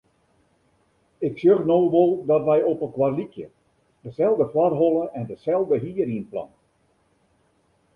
Ik sjoch no wol dat wy opelkoar lykje; deselde foarholle en deselde hierynplant.